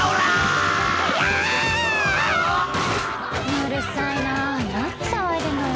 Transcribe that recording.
うるさいなぁ何騒いでんのよ。